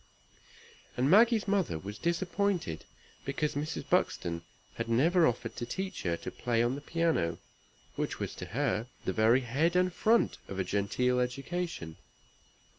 And Maggie's mother was disappointed because Mrs. Buxton had never offered to teach her "to play on the piano," which was to her the very head and front of a genteel education.